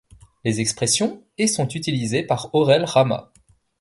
Les expressions et sont utilisées par Aurel Ramat.